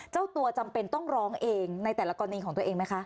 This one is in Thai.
เจ้าตัวจำเป็นต้องร้องเองในแต่ละกรณีของตัวเองไหมคะ